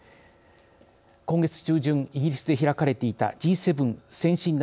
今月中旬イギリスで開かれていたＧ７